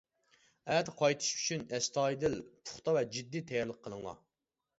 ئەتە قايتىش ئۈچۈن، ئەستايىدىل، پۇختا ۋە جىددىي تەييارلىق قىلىڭلار!